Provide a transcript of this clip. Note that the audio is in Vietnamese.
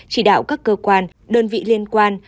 chỉ đạo các cơ quan đơn vị liên quan